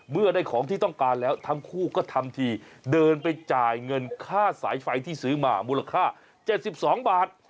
เมื่อได้ของที่ต้องการแล้วทั้งคู่ก็ทำทีเดินไปจ่ายเงินค่าสายไฟที่ซื้อมามูลค่า๗๒บาท